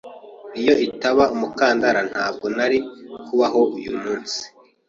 Iyo itaba umukandara, ntabwo nari kubaho uyu munsi.